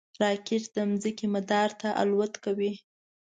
راکټ د ځمکې مدار ته الوت کوي